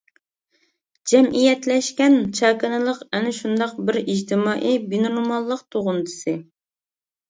جەمئىيەتلەشكەن چاكىنىلىق ئەنە شۇنداق بىر ئىجتىمائىي بىنورماللىق تۇغۇندىسى.